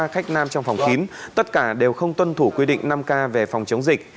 khách nam trong phòng kín tất cả đều không tuân thủ quy định năm k về phòng chống dịch